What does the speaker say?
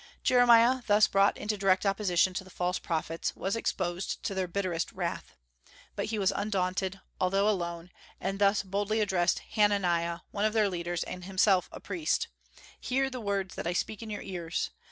Jeremiah, thus brought into direct opposition to the false prophets, was exposed to their bitterest wrath. But he was undaunted, although alone, and thus boldly addressed Hananiah, one of their leaders and himself a priest: "Hear the words that I speak in your ears.